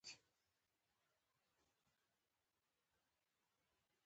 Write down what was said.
نو همدا ولسي ادبيات دي چې د يوه ملت ، قوم